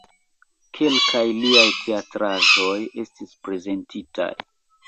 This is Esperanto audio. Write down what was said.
Kelkaj liaj teatraĵoj estis prezentitaj.